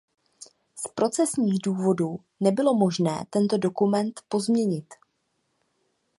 Z procesních důvodů nebylo možné tento dokument pozměnit.